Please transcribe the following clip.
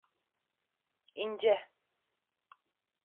İnce.